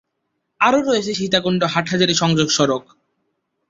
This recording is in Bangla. আরো রয়েছে সীতাকুণ্ড-হাটহাজারী সংযোগ সড়ক।